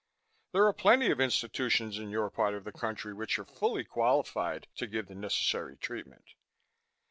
There are plenty of institutions in your part of the country which are fully qualified to give the necessary treatment.